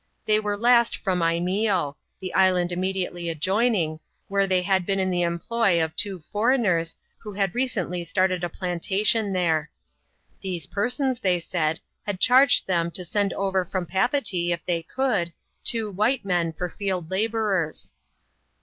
They were last from Imeeo — the island immediately adjoining — where they had been in the employ of two foreigners^ who had recently started a plantation there. These persons, they said, had charged them to send over from Papeetee, if they could, two white men for field labourers.